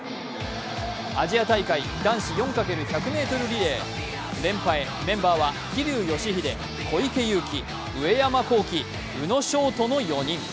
アジア大会男子４×１００ｍリレーメンバーは桐生祥秀、小池祐貴、上山紘輝、宇野勝翔の４人。